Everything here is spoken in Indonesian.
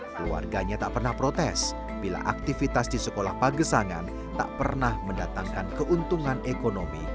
keluarganya tak pernah protes bila aktivitas di sekolah pagesangan tak pernah mendatangkan keuntungan ekonomi